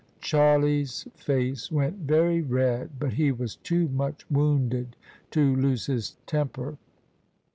Charlie's face went very red, but he was too much wounded to lose his temper.